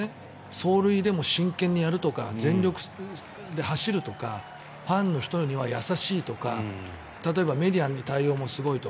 走塁でも真剣にやるとか全力で走るとかファンの人には優しいとか例えばメディアの対応もすごいと。